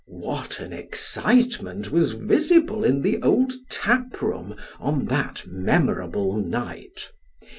What an excitement was visible in tho old tap room on that memorable night